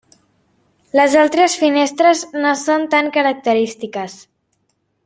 Les altres finestres no són tan característiques.